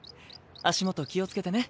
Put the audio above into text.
足元気をつけてね。